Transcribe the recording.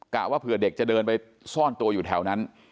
ว่าเผื่อเด็กจะเดินไปซ่อนตัวอยู่แถวนั้น